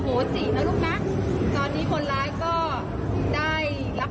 จะได้สุขสบายไม่ต้องลำบากแบบนี้นะลูก